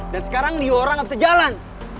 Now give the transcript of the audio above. dan sekarang liura gak bisa jalan